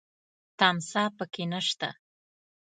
تمساح پکې نه شته .